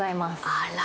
あら。